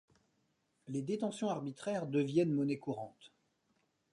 Les détentions arbitraires deviennent monnaie courante.